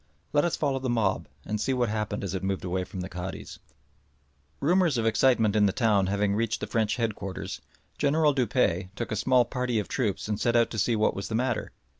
Let us follow the mob and see what happened as it moved away from the Cadi's. Rumours of excitement in the town having reached the French headquarters, General Dupuy took a small party of troops and set out to see what was the matter.